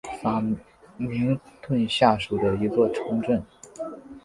法明顿下属的一座城镇。